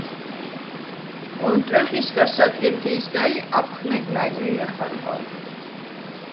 ონტვეხ ისგა სადგემთეჲსგა ი აფხნეგ მა̈გ მი მეხარბალ.